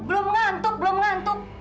belum ngantuk belum ngantuk